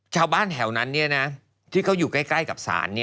ชาวบ้านแถวนั้นที่เขาอยู่ใกล้กับศาล